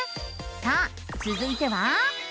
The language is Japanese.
さあつづいては。